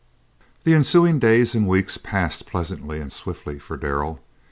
The ensuing days and weeks passed pleasantly and swiftly for Darrell.